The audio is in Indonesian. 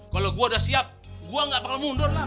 kalau gue udah siap gue gak bakal mundur nak